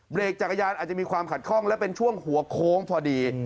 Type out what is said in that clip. เบรกจักรยานอาจจะมีความขัดข้องและเป็นช่วงหัวโค้งพอดี